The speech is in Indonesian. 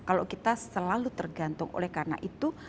kalau kita selalu tergantung oleh karena itu